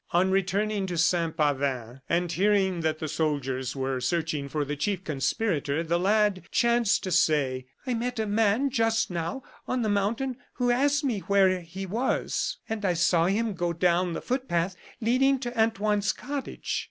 On returning to Saint Pavin, and hearing that the soldiers were searching for the chief conspirator, the lad chanced to say: "I met a man just now on the mountain who asked me where he was; and I saw him go down the footpath leading to Antoine's cottage."